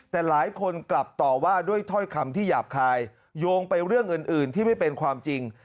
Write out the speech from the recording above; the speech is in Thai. แต่หลายคนกลับต่อว่าด้วยถ้อยคำที่หยาบคายโยงไปเรื่องอื่นที่ไม่เป็นความจริง